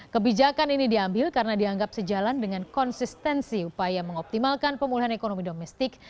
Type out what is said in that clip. kebijakan ini diambil karena dianggap sejalan dengan konsistensi upaya mengoptimalkan pemulihan ekonomi domestik